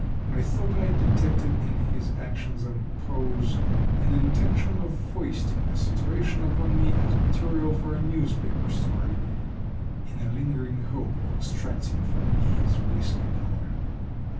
I thought I detected in his actions and pose an intention of foisting the situation upon me as material for a newspaper story, in a lingering hope of extracting from me his whiskey dollar.